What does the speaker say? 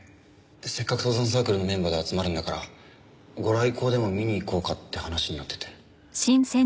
せっかく登山サークルのメンバーで集まるんだからご来光でも見に行こうかって話になってて。